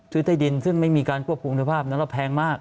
ซื้อใต้ดินซึ่งไม่มีการควบคุมภาพนั้นแพงมาก